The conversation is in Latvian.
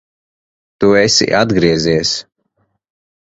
Tu esi atgriezies!